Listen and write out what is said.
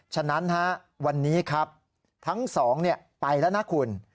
ฉะนั้นวันนี้ครับทั้งสองไปแล้วนะคุณ